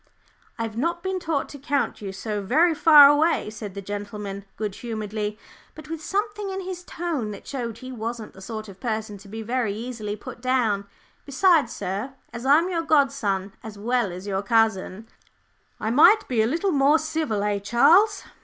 "I've not been taught to count you so very far away," said the gentleman, good humouredly, but with something in his tone that showed he wasn't the sort of person to be very easily put down; "besides, sir, as I'm your godson as well as your cousin " "I might be a little more civil, eh, Charles?"